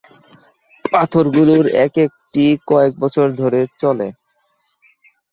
পাথর গুলোর এক একটি কয়েক বছর ধরে চলে।